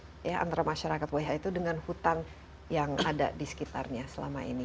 bagaimana antara masyarakat who itu dengan hutan yang ada di sekitarnya selama ini